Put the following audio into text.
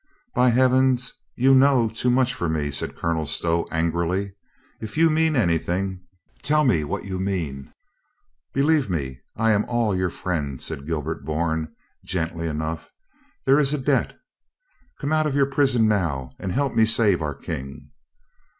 "By Heaven, you know too much for me," said Colonel Stow angrily. "If you mean anything, tell me what you mean." "Believe me, I am all your friend," said Gilbert Bourne, gently enough. "There is a debt ... come out of your prison now and help me save our King."